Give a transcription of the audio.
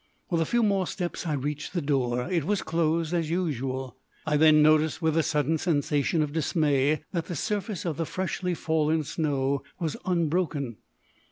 With a few more steps I reached the door. It was closed as usual. I then noticed with a sudden sensation of dismay that the surface of the freshly fallen snow was unbroken.